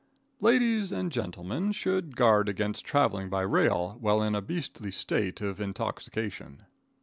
Ladies and gentlemen should guard against traveling by rail while in a beastly state of intoxication.